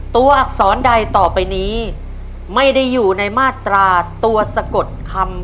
อักษรใดต่อไปนี้ไม่ได้อยู่ในมาตราตัวสะกดคำ